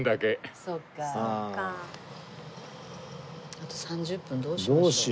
あと３０分どうしましょう。